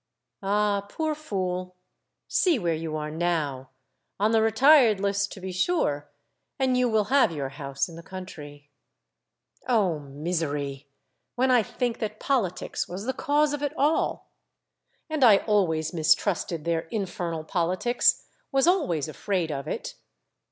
Ah, poor fool, see where you are now ! on the retired list to be sure, and you will have your house in the country ! Oh, misery ! when I think that politics was the cause of it all ! And I always mistrusted their in fernal politics, was always afraid of it.